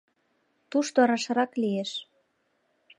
Тушто рашрак лиеш.